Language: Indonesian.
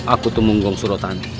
aku temunggung surotan